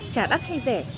trả đắt hay rẻ